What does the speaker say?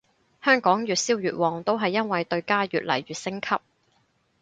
香港越燒越旺都係因為對家越嚟越升級